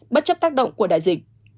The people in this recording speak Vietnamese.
bất chấp tác động của đại dịch